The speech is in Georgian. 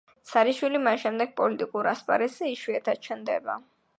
სარიშვილი მას შემდეგ პოლიტიკურ ასპარეზზე იშვიათად ჩნდება.